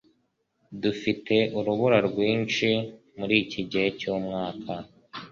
Dufite urubura rwinshi muriki gihe cyumwaka.